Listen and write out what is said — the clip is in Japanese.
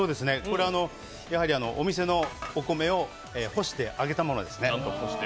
お店のお米を干して揚げたものですね。